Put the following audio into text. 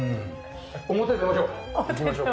表へ出ましょう。